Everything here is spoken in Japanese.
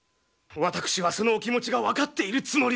私はそのお気持ちが分かっているつもりです！